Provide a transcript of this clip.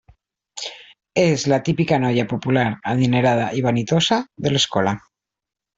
És la típica noia popular, adinerada i vanitosa de l'escola.